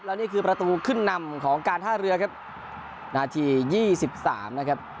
แล้วนี่คือประตูขึ้นนำของการท่าเรือครับนาทียี่สิบสามนะครับ